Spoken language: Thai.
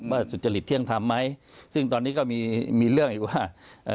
สุจริตเที่ยงธรรมไหมซึ่งตอนนี้ก็มีมีเรื่องอยู่ว่าเอ่อ